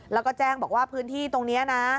แล้วก็แจ้งบอกว่าพื้นที่ตรงนี้นะ